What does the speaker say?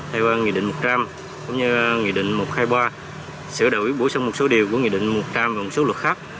theo qua nghị định một trăm linh cũng như nghị định một trăm hai mươi ba sửa đổi bổ sung một số điều của nghị định một trăm linh và một số luật khác